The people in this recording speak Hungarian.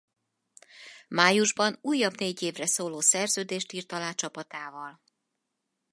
Májusban újabb négy évre szóló szerződést írt alá csapatával.